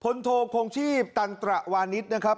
โทคงชีพตันตระวานิสนะครับ